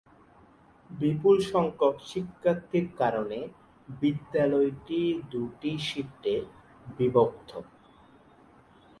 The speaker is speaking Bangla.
বিপুল সংখ্যক শিক্ষার্থীর কারণে বিদ্যালয়টি দুটি শিফটে বিভক্ত।